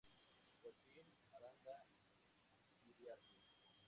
Joaquín Aranda Iriarte.